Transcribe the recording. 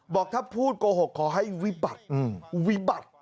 บอกถ้าพูดโกหกขอให้วิบัติ